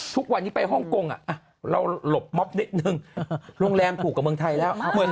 ทุกวันนี้ไปฮ่องกงเราหลบม็อบนิดนึงโรงแรมถูกกับเมืองไทยแล้ว